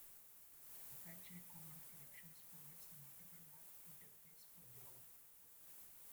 Apache Commons Collections provides a MultiMap interface for Java.